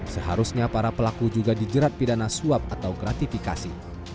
seharusnya para pelaku juga dijerat pidana suap atau gratifikasi